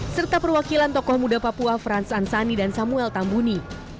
serta perwakilan tokoh muda papua frans ansani dan samuel tambuni